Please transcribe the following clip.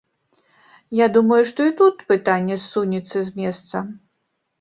Я думаю, што і тут пытанне ссунецца з месца.